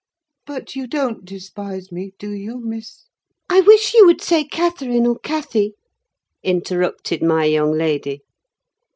But you don't despise me, do you, Miss—?" "I wish you would say Catherine, or Cathy," interrupted my young lady.